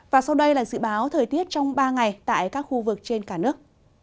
và sau đây là dự báo thời tiết trong ba ngày tại các khu vực trên cả nước